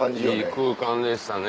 いい空間でしたね。